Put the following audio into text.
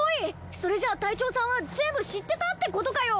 それじゃ隊長さんは全部知ってたってことかよ！？